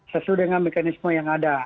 sesuai dengan mekanisme yang ada